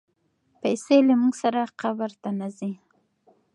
پیسې له موږ سره قبر ته نه ځي.